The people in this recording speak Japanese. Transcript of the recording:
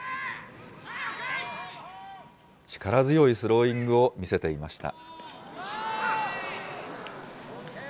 力強いスローイングを見せていました。